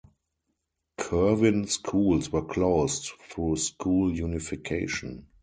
Kirwin schools were closed through school unification.